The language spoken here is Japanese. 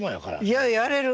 いややれる。